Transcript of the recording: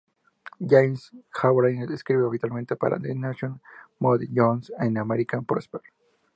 James K. Galbraith escribe habitualmente para The Nation, Mother Jones, The American Prospect.